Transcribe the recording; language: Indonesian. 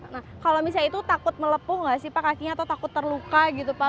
nah kalau misalnya itu takut melepuh nggak sih pak kakinya atau takut terluka gitu pak